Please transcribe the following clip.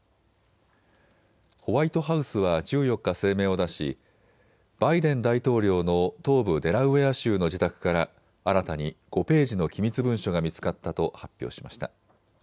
ホワイトハウスは１４日、声明を出しバイデン大統領の東部デラウェア州の自宅から新たに５ページの機密文書が見つかったと発表しました。